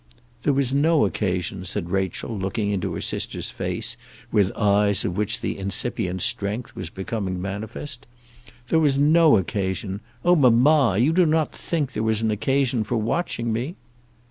"There was no occasion," said Rachel, looking into her sister's face with eyes of which the incipient strength was becoming manifest. "There was no occasion. Oh, mamma, you do not think there was an occasion for watching me?"